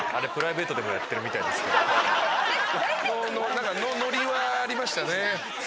何かノリはありましたね。